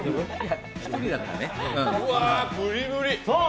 うわ、プリプリ！